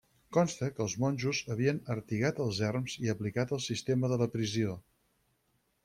Consta que els monjos havien artigat els erms i aplicat el sistema de l'aprisió.